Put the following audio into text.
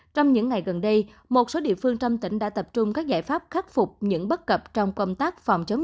trong những ngày gần đây một số địa phương trong tỉnh đã tập trung các giải pháp khắc phục những bất cập trong công tác phòng chống